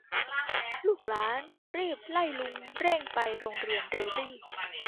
ลูกหลานรีบไล่ลุงเร่งไปโรงเรียนเร็วรี่